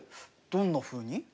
どんなふうに？